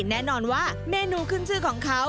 แน่นอนว่าเมนูขึ้นชื่อของเขา